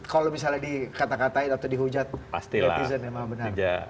kalau misalnya dikata katain atau dihujat netizen yang maha benar